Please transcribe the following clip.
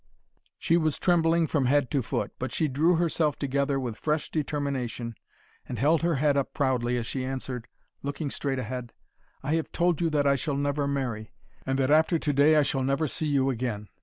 She was trembling from head to foot, but she drew herself together with fresh determination and held her head up proudly as she answered, looking straight ahead: "I have told you that I shall never marry, and that after to day I shall never see you again.